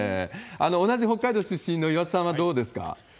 同じ北海道出身の岩田さんはどうですか？